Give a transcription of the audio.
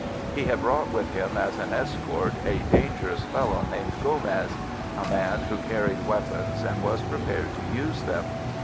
He had brought with him as an escort a dangerous fellow, named Gomez, a man who carried weapons, and was prepared to use them.